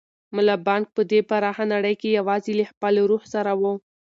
ملا بانګ په دې پراخه نړۍ کې یوازې له خپل روح سره و.